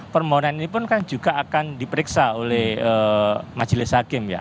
permohonan ini pun kan juga akan diperiksa oleh majelis hakim ya